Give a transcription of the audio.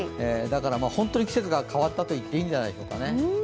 だから、本当に季節が変わったといっていいんじゃないでしょうかね。